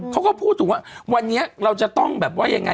เขาก็พูดถึงว่าวันนี้เราจะต้องแบบว่ายังไง